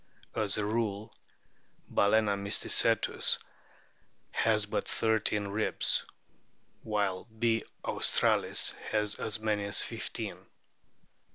As a rule Balccna mysticetus has but thirteen ribs, while B. a^lstralis has as many as fifteen.